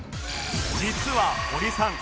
実は堀さん